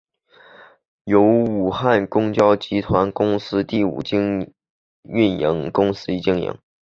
由武汉公交集团公司第五营运公司经营。